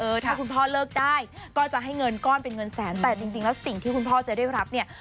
ถ้าคุณพ่อเลิกได้ก็จะให้เงินก้อนเป็นเงินแสนแต่จริงแล้วสิ่งที่คุณพ่อจะได้รับเนี่ย